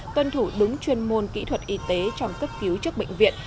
tuân thủ đúng chuyên môn kỹ thuật y tế trong cấp cứu chức bệnh viện